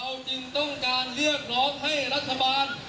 จึงต้องการเรียกร้องให้รัฐบาล